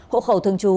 hộ khẩu thường trú